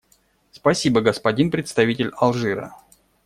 Спасибо, господин представитель Алжира.